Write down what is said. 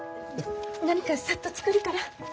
何かサッと作るから。